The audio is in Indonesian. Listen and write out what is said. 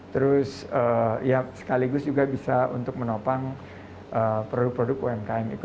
terus ya sekaligus juga bisa untuk menopang produk produk umkm